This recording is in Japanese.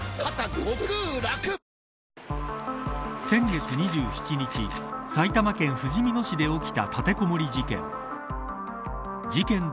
先月２７日埼玉県ふじみ野市で起きた立てこもり事件。